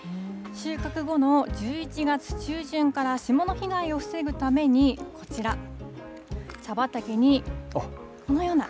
収穫後の１１月中旬から霜の被害を防ぐために、こちら、茶畑にこのような。